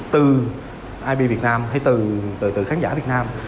từ ib việt nam hay từ khán giả việt nam